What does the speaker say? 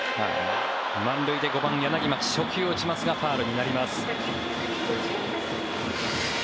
満塁で５番の柳町初球を打ちますがファウルになります。